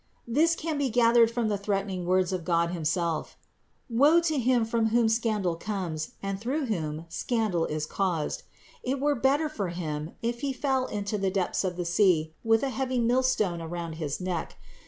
This can be gathered from the threatening words of God himself : Woe to him from whom scandal comes and through whom scandal is caused ! It were better for him, if he fell into the depths of the sea with a heavy millstone around his neck.